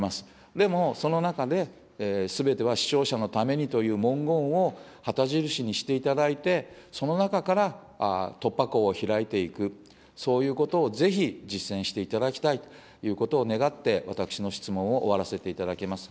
でも、その中で、すべては視聴者のためにという文言を旗印にしていただいて、その中から突破口を開いていく、そういうことをぜひ実践していただきたいということを願って、私の質問を終わらせていただきます。